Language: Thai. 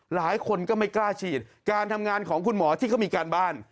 หลายคนก็ไม่กล้าฉีดการทำงานของคุณหมอที่เขามีการบ้าน